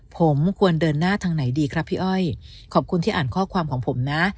ผมควรเดินหน้าทางไหนดีครับพี่อ้อยขอบคุณที่อ่านข้อความของผมนะ